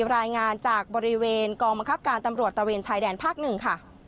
รายงานจากบริเวณกองบังคับการตำรวจตะเวนชายแดนภาค๑ค่ะ